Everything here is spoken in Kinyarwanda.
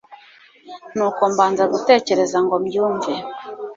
nuko mbanza gutekereza ngo mbyumve